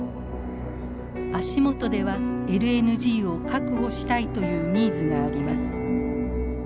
足元ではＬＮＧを確保したいというニーズがあります。